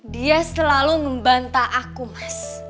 dia selalu membantah aku mas